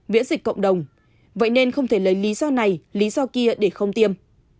miễn dịch cộng đồng vậy nên không thể lấy lý do này lý do kia để không tiêm